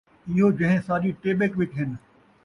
ایہو جہیں ساݙی ٹیٻک ءِچ ہن